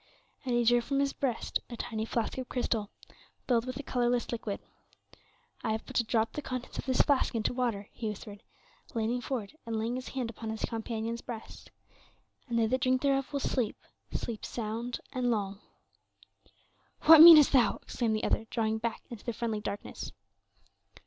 And he drew from his breast a tiny flask of crystal, filled with a colorless liquid. "I have but to drop the contents of this flask into water," he whispered, leaning forward, and laying his hand upon his companion's breast, "and they that drink thereof will sleep sleep sound and long." "What meanest thou?" exclaimed the other, drawing back into the friendly darkness.